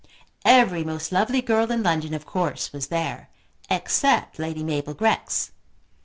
Every most lovely girl in London of course was there, except Lady Mabel Grex.